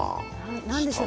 何でしょう？